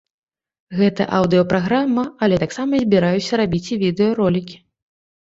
Гэта аўдыё-праграма, але таксама збіраюся рабіць і відэа ролікі.